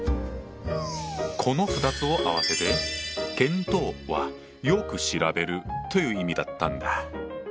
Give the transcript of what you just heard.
この２つを合わせて「検討」は「よく調べる」という意味だったんだ。